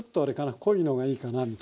濃いのがいいかなみたいなアハハ。